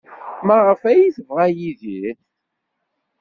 Maɣef ay t-yebɣa Yidir?